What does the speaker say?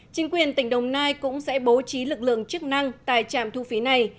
chính quyền tỉnh đồng nai cũng sẽ bố trí lực lượng chức năng tại trạm thu phí này